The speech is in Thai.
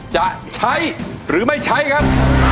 จะใช้หรือไม่ใช้ครับ